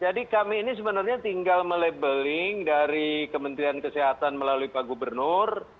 kami ini sebenarnya tinggal melabeling dari kementerian kesehatan melalui pak gubernur